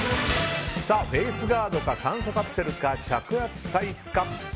フェースガードか酸素カプセルか着圧タイツか。